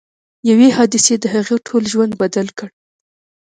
یوې حادثې د هغه ټول ژوند بدل کړ